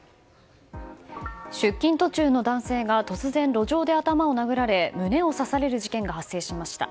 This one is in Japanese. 出勤途中の男性が突然、路上で頭を殴られ胸を刺される事件が発生しました。